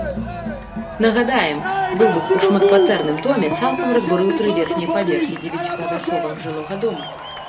Нагадаем, выбух у шматкватэрным доме цалкам разбурыў тры верхнія паверхі дзевяціпавярховага жылога дома.